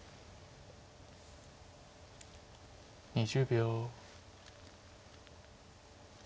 ２０秒。